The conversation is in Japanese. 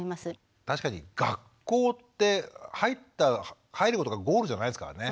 確かに学校って入ることがゴールじゃないですからね。